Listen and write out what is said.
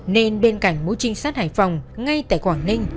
nên bên cạnh mũi trinh sát hải phòng ngay tại quảng ninh